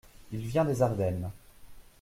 Il vient des Ardennes.